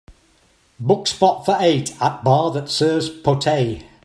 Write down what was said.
Book spot for eight at bar that serves potée